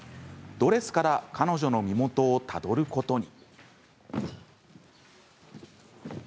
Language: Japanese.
ドレスから彼女の身元をたどることに。